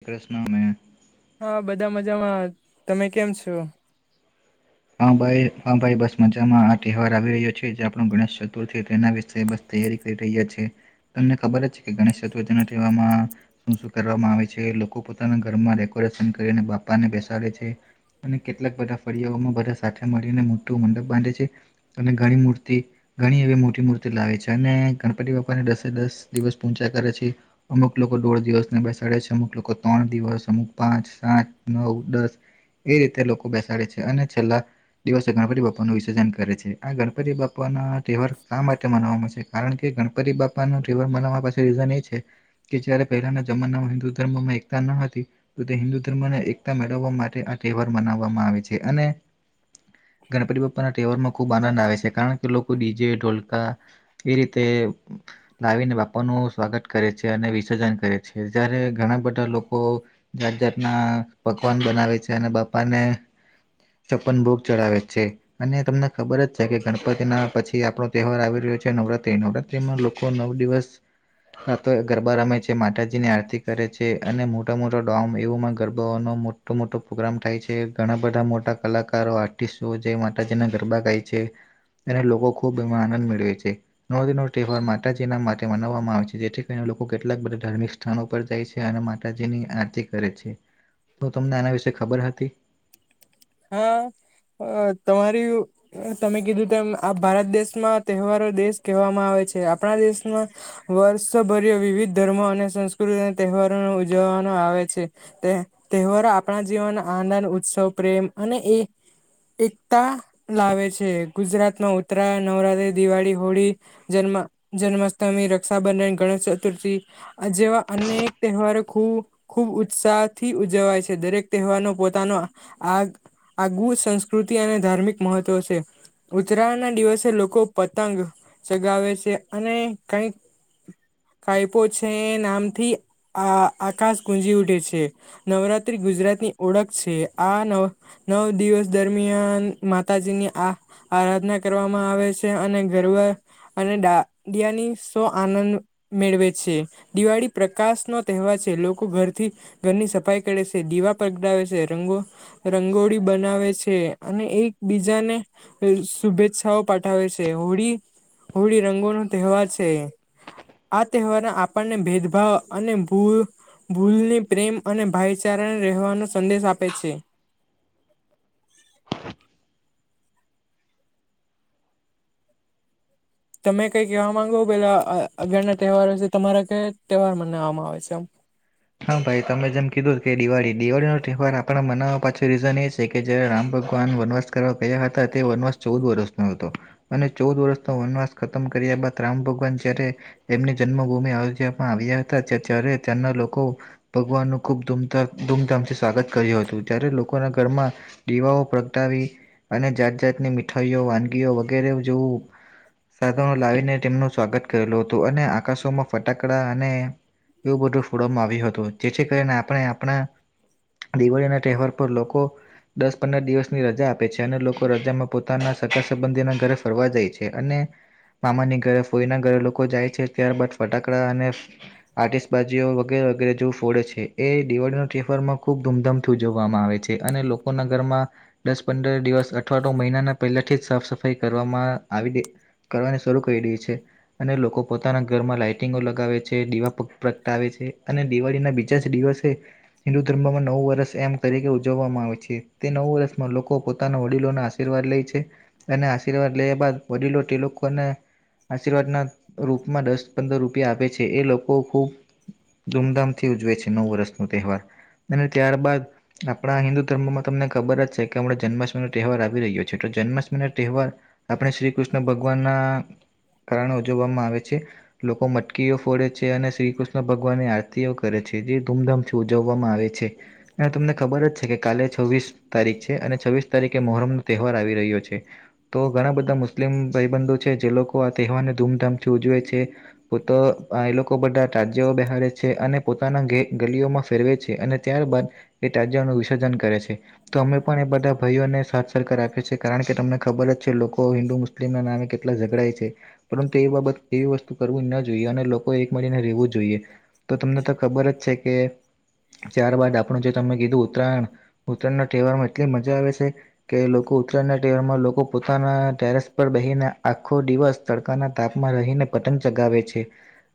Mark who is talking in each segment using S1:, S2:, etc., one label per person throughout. S1: એક રસનામે
S2: હા બધા મજામાં તમે કેમ છો.
S1: હ ભાઈ હભાઈ બસ મજામાં આ તહેવાર આવી રહ્યો છે જે આપણો ગણેશ ચતુર્થીના બસ તૈયારી કરી રહ્યા છેએ. તમને ખબર જ કે ગણેશ ચતુર્થી ના તહેવારમાં શું શું કરવામાં આવે છે લોકો પોતાના ઘરમાં કોરેશન કરી બાપાને બેસાડે છે અને કેટલાક બધા ફળિયામાં સાથે મળીને મોટું મંડપ બાંધે છે અને ઘણી મૂ ઘણી એવી મોટી મૂર્તિ લાવે છે અને ગણપતિ બાપા ને દસે દસ દિવસ પૂંચા કરે છે અમુક લોકો દોઢ દિવસને બેસાડે છે અમુક લોકો ત્રણ દિવસ અમુક પાંચ સાત નવ દસ એ રીતે લોકો બેસાડે છે અને છેલ્લા દિવસ ગણપતિ બાપ્પાનું વિસર્જન કરે છે આ ગણપતિ બાપા ના તહેવાર કા માટે મનાવામાં છે કારણ કે ગણપતિ બાપાનો રવર મલા પાસે રીઝન એ છે કે જય્યારે પહેલાના જમાનામાં હિન્દુ ધર્મમાં એકતાનો તે હિન્દુ ધર્મને એકતા મેળવવા માટે આ તહેવાર મનાવવામાં આવે છે અને [inaudible] ગણપતિ બાપ્પાના તહેવાર માં ખૂબ આનંદ આવે છે કારણ કે લોકો ડીજે ઢોલકા એ રીતે લાવીને બાપાનું સ્વાગત કરે છે અને વિસર્જન કરે છે જયારે ઘણા બધા લોકો જાત જાતના પકવાન બનાવે છે અને બાપાને પણ ભોગ ચડાવે છે અને તમને ખબર જ છે કે ગણપતિના પછી આપણો તહેવાર આવી રહ્યો છે નવરાત્ર નવરાત્રીમાં લોકો નવ દિવસ નાતો ગરબા રમે છે માતાજી ની આરતી કરે છે અને મોટા મોટા ડોમ એવું ગરબાઓનો મોટો મોટો પ્રોગ્રામ થાય છે ઘણા બધા મોટા કલાકારો આર્ટિસ્ટો જે માટે જેને ગરબા ગાય છે. અને લોકો ખૂબ એમાં આનંદ મેળવે છે નનો તહેવાર માતાજીના માટે મનાવવામાં આવે છે જેથી કરી લોકો કેટલાક બધા ધાર્મિક સ્થાનો પર જાય છે અને માતાજી ની આરતી કરે છે. તો તમને આના વિશે ખબર હતી.
S2: હા અ તમાર તમે કીધું તેમ આ ભારત દેશમાં તહેવારો દેશ કહેવામાં આવે આપ દેશમાં વર્ષોભર વિવિધ ધર્મો અને સંસ્કૃતિ અને તહેવારો ઉવ જોવાનું આવે છે તે તહેવારો આપણા જીવન આનંદ ઉત્સવ પ્રેમ અને એ એકતા લાવે છે ગુજરાતમાં ઉત્તરાય નવરાત્રી દિવાળી હોળી જન્મ જન્માષ્ટમી રક્ષાબંધન ગણેશ ચતુર્થી જેવા અનેક તહેવારો ખૂબ ખુબ ઉત્સાહ થી ઉજવાય છે દરેક તહેવારનો પોતાનો આ આગવ સંસ્કૃતિ અને ધાર્મિક મહત્વ તોશે. ઉત્તરાયણ ના દિવસે લોકો પતંગ ચગાવે છે અને કઈક કાયપો છે નામથી આ આકાશ ગુંજી ઉઠે છે. નવરાત્રી ગુજરાતની ઓળખ છે આ ન નવ દિવસ દરમિયાન માતા ની આરાધના કરવામાં આવે છે અને ગરવ અનેાિયાની સો આનંદ મેળવે છે દિવાળી પ્રકાશ નો તહેવાર છે લોકો ઘરથી ઘરની સફાઈ કરે છે દીવા પગડાવે છે રંગો રંગોળી બનાવે છે અને એક બીજાને શુભેચ્છાઓ પાઠાવે છે હોળી હોળી રંગો નો તહેવાર છે આ તહેવારના આપણને ભેદભાવ અને ભૂલ ભૂલની પ્રેમ અને ભાાઈચારાને રહેવાનો સંદેશ આપે છે
S1: હ
S2: તમે કઈ કહેવા માંગો પેલા અગાર ના તહેવારો છે તમારા કયા તહેવાર મનાવવામાં આવે છે આમ
S1: હા ભાઈ તમે જેમ કીધું કે દિવાળી દિવાળી નો તહેવાર આપણા મનાવવા પાછો રીઝન એ છે કે જ રામ ભગવાન વનવાસ કરવા ગયા હતા તે વનવાસ ચૌદ વર્ષનો હતો અને ચૌદ વર્ષનો વનવાસ ખતમ કરી કર્યા બાદ રામ ભગવાન જ્યારે એમની જન્મભૂમિ અયોધ્યામાં આવ્યા હતા ત્યારે ત્યાંના લોકો ભગવાનનું ખૂબ ધ ધૂમધામથી સ્વાગત કર્યું હતું જ્યારે લોકોના ઘરમાં દીવાઓ પગડાવી અને જાત જાતની મીઠાઈઓ વાનગીઓ વગેરે જોવું સાધનો લાવીને તેમનું સ્વાગત કરેલું હતું અને આકાશોમાં ફટાકડા અને એવું બધું ફોડવામાં આવ્યું હતું જેથી કરીને આપણે આપણા દિવાળી ના તહેવાર પર લોકો દસ પંદર દિવસની રજા આપે છે અને લોકો રજામાં પોતાના સકાર સંબંધીના ઘરે ફરવા જાય છે અને મામાની ઘરે ફોઈના ઘરે લોકો જાય છે ત્યારબદ ફટાકડા અને આટસબાજીઓ વગેરે વગેરે ફોડ છે એ દિવાળીનો તફરમાં ખુબ ધૂમધામથી ઉજવવામાં આવે છે અને લોકો ના ઘરમાં દસ પંદર દિવસ અઠવાડ મહિનાના પહેલાથી જ સાફ સફાઈ કરવામાં આવીે કરવાની શરૂ કરી દે છે અને લોકો પોતાના ઘરમાં લાાઈટિંગો લગાવે છે દીવા પ્રગટાવે છે છે અને દિવાળીના બીજા જ દિવસે હિન્દુ ધર્મમાં નવું વર્ષ એમ તરીકે ઉજવવામાં આવે છે તે નવું વર્ષ લોકો પોતાના વડીલોના આશીર્વાદ લે છે અને આશીર્વાદ લેયા બાદ વડીલો તિ લોકોને આશીર્વાદના રૂપમાં દસ પંદર રૂપિયા આપે છે એ લોકો ખૂબ ધૂમધામથી ઉજવે છે નવ વર્ષનો તહેવાર અને ત્યારબાદ આપણા હિન્દુ ધર્મોમાં તમને ખબર જ છે કે આપ જન્માષ્ટમીનોો તહેવાર આવી રહ્યો છે જન્માષ્ટમી ના તહેવાર આપણે શ્રી કૃષ્ણ ભગવાનના કારણે ઉજવવામાં આવે છે તો મટકીઓ ફોડે છે અને શ્રી કૃષ્ણ ભગવાનની આરતીઓ કરે છે જે ધૂમધામથી ઉજવવામાં આવે છે અને તમને ખબર જ છે કે કાલે છવ્વીસ તારીખ છે અને છવ્વીસ તારીખે મોહ્રમ નો તહેવાર આવી રહ્યો છે તો ઘણા બધા મુસ્લિમ ભાઈબંધો છે જે લોકો આ તહેવારને ધૂમધામથી ઉજવે છે પુત આ એ લોકો લોકો બધા રાજ્ય બેહારે છે છે અને પોતાના ગલીઓમાં ફેરવે છે અને ત્યારબાદ એ તાજાઓનું વિસર્જન કરે છે તો અમે પણ એ બધા ભાઈઓને સાથે સરખ રાખી છીએ કારણ કે તમને ખબર જ છે લોકો હિન્દુ મુસ્લિમ કેટલા ઝઘડાય છે પરંતુ એ બાબત એવી વસ્તુ કરવી ન જોઈએ અને લોકો એક મળીને રહેવું જોઈએ તો તમને તો ખબર જ છે કે ત્યારબદ આપણું જે તમે કીધું ઉત્તરાયણ ઉત્તરાયણના તહેવારમાં એટલી મજા આવે છે કે લોકો ઉત્તરાયણના ટેરમાં લોકો પોતાના ટેરેસ પર બેહીને આખો દિવસ તડકાના તાપમાં રહીને પ પતંગ ચગાવે છે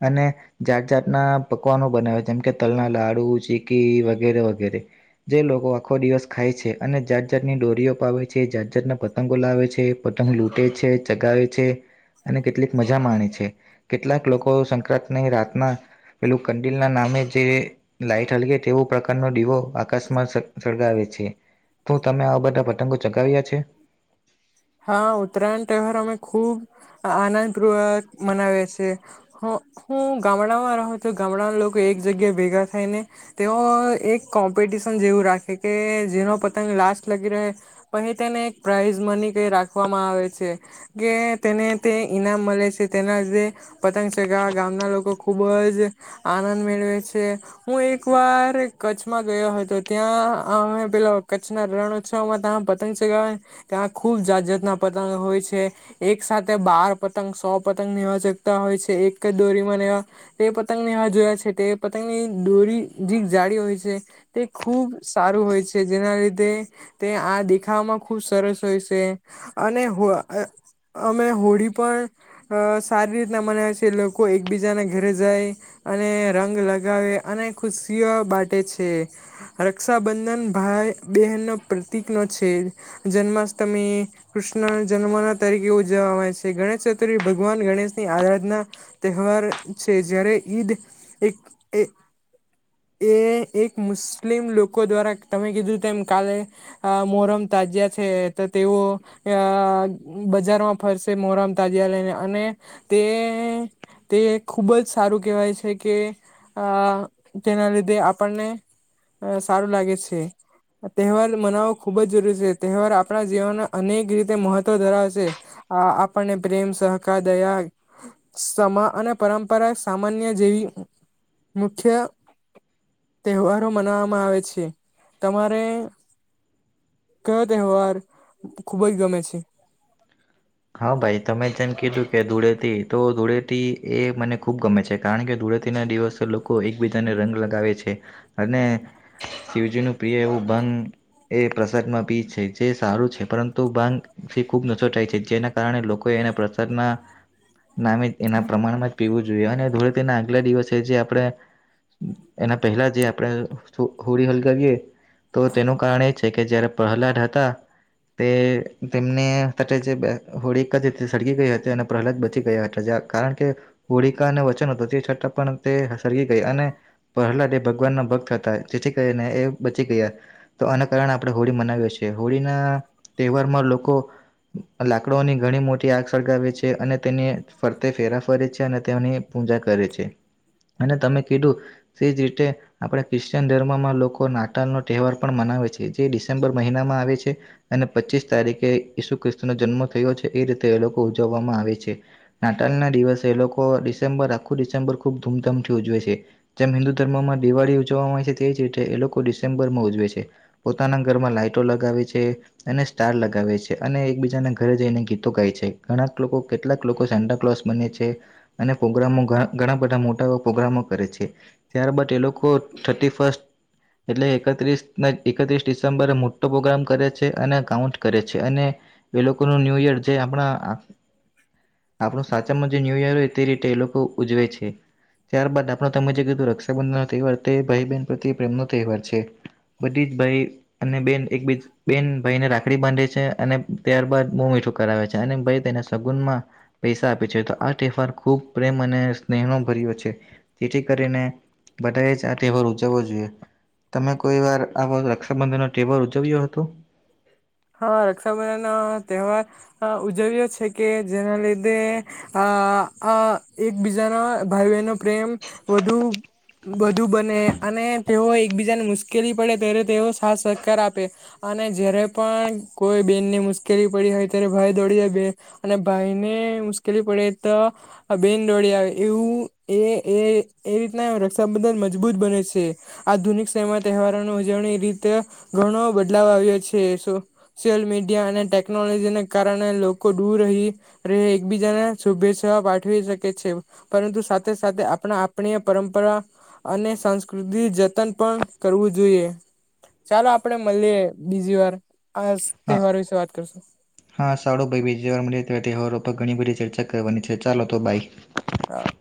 S1: અને જાત જાતના પકવાનો બનાવે જેમ કે તલના લાડુ ચીકી વગેરે વગેરે જે લોકો આખો દિવસ ખાય છે અને જાત જાતની ડોરીઓ પાવે છે જાત જાતને પતંગો લાવે છે પો ત લૂંટે છે ચગાવે છે અને કેટલીક મજા માણે છે કેટલાક લોકો સંક્રાંતની રાતના પેલું કંડિલ ના નામે જે લાઈટ હલગ તેવું કાર ન દીવો આકાશમાં સળગાવે છે તું તમે આવા બધા પતંગો ચગાવ્યા છે
S2: હા ઉત્તરાયણ તહેવાર અમે ખુબ આનંદપૂર્વક મનાવીએ છેએ હું ગામડામાં રહું છું ગામડામાં લોકો એક જગ્યા ભેગા થાય ને તેઓ એક કો્પ જેવ રાખે કે જેનો પતંગ લાસ લગી રહે પછ તેને પ્રઝ મની રાખવામાં આવે છે કે તેને તે ઈનામ મળે છે તેનાધ પતંગ ચ ગામના લોકો ખુબ જ આનંદ મેળવે છે હું એક વાર કચ્છમાં ગયો હોય તો ત્યાં અમે પેલા કચ્છના રણોત્સવમાં ત પતંગ ચગાવ ત્યાં ખુબ જાત જાત ના પતંગ હોય છે એક સાથે બાર પતંગ સો પતંગ નિવાચકતા હોય છે એક જ દોરીમાંને તે પતંગ ને જોયા છે તે પતંગ ની દોરી જે જાળી હોય છે તે ખુબ સારું હોય છે જેના લીધે તે આ દેખાવામાં ખુબ સરસ થ છે અને અમે હોળી પણ સારી રીતના મનાય છે લોકો એકબીજાના ઘરે જાય અને રંગ લગાવે અને ખુશીઓ બાટે છે રક્ષાબંધન ભાર બન ન પ્રતિક નો છે જન્ તમે કૃષ્ણ જન્મના તરીકે ઉજવામાં આવે છે ગણેશ ચતુર્થી ભગવાન ગણેશની આરાધના તહેવાર છે જય્યારે ઈદ એક એ એક મુસ્લિમ લોકો દ્વારા તમે કીધું તેમ એમ કાલે મોહરમ ત જે છે તેઓ બજારમાં ફરસે મોહરામ તાજિયા લઈને અને તે હમ તે ખૂબ જ સારું કેહેવાય છે કે આ તેના લીધે આપણને અ સારું લાગે છે તહેવાર મનાવવો ખુબ જ જરૂરી છે તહેવાર આપણા જીવનને અનેક રીતે મહત્વ ધરાવેશે આપણને પ્રેમ સહકાર દયા સમા અને પરંપરા સામાન્ય જેવી મુખ્ય તહેવારો મનાવામાં આવે છે તમારે કયો તહેવાર ખુબજ ગમે છે
S1: હા ભાઈ તમે જેમ કીધું કે ધૂળેટી તો ધૂળેટી એ મને ખુબ ગમે છે કારણ કે ધૂળે પ્રતિ ના દિવસે લોકો એકબીજાને રંગ લગાવે છે અને શિવજી નું પ્રિય એવું બાંગ એ પ્રસાદમાં પી છે જે સારું છે પરંતુ બાંગ થી ખુબ નચોટાય છે જેના કારણે લોકો એના પ્રસદના નામે એના પ્રમાણમાં પીવું જોઈએ અને ધોળેથી ના આગલા દિવસે જે આપડણે એના પહેલા જે આપણેે હોળી હલગએ તો તેનું કારણ એ છે કે જયારે પ્રહલાદ હતા તે તેમને સાથે જે હોળકા જે સળકીી ગઈ હતી અને પ્રહલાદ બચી ગયા હતા કારણ કે હોળકાને વચન હત તે છ પણ તે સળગી ગયા અને પહેલાદ ભગવાન ના ભક્ત હતા જેીથીી કરીઈને એ બચી ગયા તો આના કારણે આપણે હોળી મનાવીએ છીએ હોળી ના તહેવારમાં લોકો લાગ કડોની ઘણી મોટી આગ સળગાવે છે અને તેને ફરતે ફેરા ફરે છે અને તેની પૂજા કરે છે અને તમે કીધું તે જ રીતે આપણે ખ્રિશ્ચયન ધર્મમાં લોકો નાતાલનો તહેવાર પણ મનાવ આવે છે જે ડિસેમ્બર મહિનામાં આવે છે અને પચીસ તારીખે ઈસુ ખિસ્ત નો જન્મ થયો છે એ રીતે એ લોકો ઉજવવામાં આવે છે નાટલના દિવસે એ લોકો ડિસેમ્બર આખું ડિસેમ્બર ખૂબ ધૂમધામથી ઉજવે છે જેમ હિન્દુ ધર્મમાં દિવાળી ઉજવામાં આવે છે તેવી જ રીતે એ લોકો ડિસેમ્બર માં ઉજવે છે છે પોતાના ઘરમાં લાઈટો લગાવે છે અને સ્ટાર લગાવે છે અને એકીજાના ઘરે જઈને ગીતો ગાય છે ઘણાક લોકો કેટલાક લોકો સેન્ટા કલોસ બને છે અને પ્રોગ્રામો ઘણા બધા મોટા એવા પ્રોગ્રામો કરે છે ત્યારબાદ એ લોકો થર્ટી ફસ્ટ એટલે એકત્રીસ ન એકત્રીસ ડિસેમ્બરે મોટો પ્રોગ્રામ કરે છે અને કાઉન્ટ કરે છે અને એ લોકો નો ન્યુયર જે આપણા આપણું સાચામાં જે ન્યૂ યર હોય તે રીતે એ લોકો ઉજવે છે ત્યારબાદ આપણો તમે જે કીધું રક્ષાબંધનનો તહેવાર તે ભાઈ બહેન પ્રત્યે પ્રેમનો તહેવાર છે બધી જ ભાઈ અને બેન એકબી બેન ભાઈને રાખડી બાંધે છે અને ત્યારબાદ મો મીઠું કરાવે છે અને ભાઈ તેને સગુનમાં પૈસા આપે છે તો આ તહેવાર ખૂબ પ્રેમ અને સ્નેહનો ભર્યો છે જેથી કરીને બધાએ જ આ તહેવાર ઉજવવો જોઈએ તમે કોઈ વાર આવો રક્ષાબંધન નો તહેવાર ઉજવ્યો હતો
S2: હા રક્ષાબંધન નો તહેવાર અ ઉજવ્યો છે કે જેના લીધે આ આ આ એકબીજાના ભાઈ બહેનો પ્રેમ વધુ વધુ બને અને તેઓ એકબીજાને મુશ્કેલી પડે ત્યારે તેઓ સાથ સહકાર આપે અને જ્યારે પણ કોઈ બેનને મુશ્કેલી પડી હોય ત્યારે ભાઈ દોડી જાય બે અને ભાઈને મુશ્કેલી પડી આપડે તો બેન દોડી આવે એવું એ એ એ રીતના રક્ષાબંધન મજબૂત બને છે આધુનિક સમયમાં તહેવારોની ઉજવણી રીતે ઘણો બદલાવ આવ્યો છે સોશિયલ મીડિયા અને ટેકનોલોજીને કારણે લોકો દૂર રહી રહે એકબીજાને શુભેચ્છા પાઠવી શકે છે પરંતુ સાથે સાથે આપણા આપણી પરંપરા અને સંસ્કૃતિ જતન પણ કરવું જોઈએ ચાલો આપડે મલીએ બીજી વાર આ
S1: હા
S2: તહેવાર વિશે વાત કરશું
S1: હા સાારું ભાઈ બીજી વાર મળીએ તહેવારો પર ઘણી બધી ચર્ચા કરવાની છે ચાલો તો બાય
S2: હા